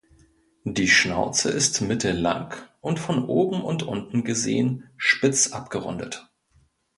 Die Schnauze ist mittellang und von oben und unten gesehen spitz abgerundet.